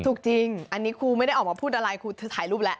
ถูกจริงอันนี้ครูไม่ได้ออกมาพูดอะไรครูเธอถ่ายรูปแล้ว